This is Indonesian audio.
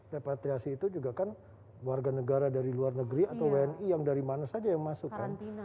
repatriasi itu juga kan warga negara dari luar negeri atau wni yang dari mana saja yang masuk kan